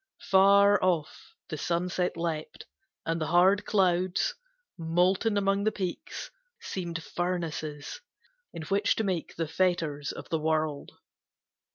Far off the sunset leapt, and the hard clouds, Molten among the peaks, seemed furnaces In which to make the fetters of the world.